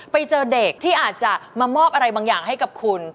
ไปเจอเด็กที่อาจจะมามอบอะไรบางอย่างให้กับคุณ